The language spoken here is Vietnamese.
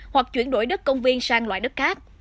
hoặc chuyển đổi đất công viên sang loại đất khác